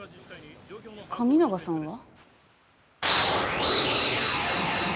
神永さんは？